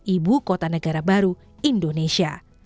ibu kota negara baru indonesia